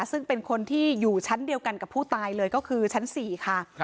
ซึ่งเป็นคนที่อยู่ชั้นเดียวกันกับผู้ตายเลยก็คือชั้น๔ค่ะ